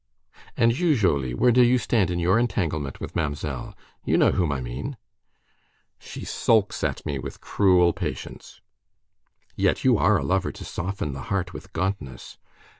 "And you, Jolllly, where do you stand in your entanglement with Mamselle—you know whom I mean?" "She sulks at me with cruel patience." "Yet you are a lover to soften the heart with gauntness."